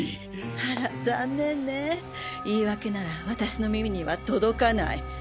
あら残念ね言い訳なら私の耳には届かない。